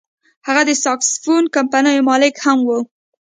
هغه د ساکسوفون کمپنیو مالک هم و.